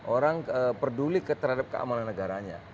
orang peduli terhadap keamanan negaranya